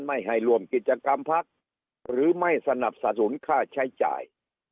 ไม่ให้ร่วมกิจกรรมพักหรือไม่สนับสนุนค่าใช้จ่าย